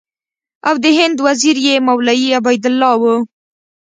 او د هند وزیر یې مولوي عبیدالله و.